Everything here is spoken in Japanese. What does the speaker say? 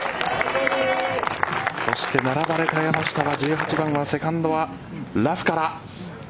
そして並ばれた山下は１８番はセカンドはラフから。